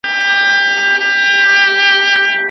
په ګڼ ډګر کي به مړ سړی او ږیره ښکاره نه سي.